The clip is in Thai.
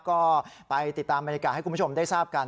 ก็ไปติดตามบรรยากาศให้คุณผู้ชมได้ทราบกัน